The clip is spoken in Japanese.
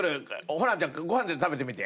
ホランちゃんご飯で食べてみて？